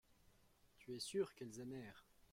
Tu es sûr qu’elles aimèrent.